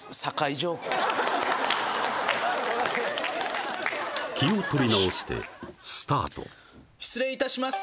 ジョーク気を取り直してスタート失礼いたします